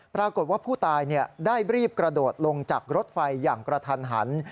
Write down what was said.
ปรากฏว่าผู้ตายได้รีบกระโดดลงจากรถไฟอย่างกระทันหัน